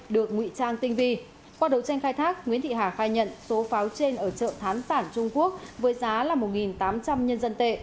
qua đấu tranh khai thác nguyễn thị hà khai nhận số pháo trên ở chợ thán sản trung quốc với giá là một tám trăm linh nhân dân tệ